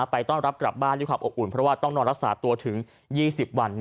ไปต้อนรับกลับบ้านด้วยความอบอุ่นเพราะว่าต้องนอนรักษาตัวถึง๒๐วัน